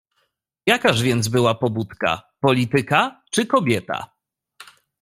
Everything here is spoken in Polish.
"Jakaż więc była pobudka: polityka czy kobieta?"